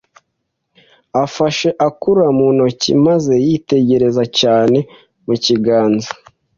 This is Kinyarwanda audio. afashe, akurura mu ntoki maze yitegereza cyane mu kiganza.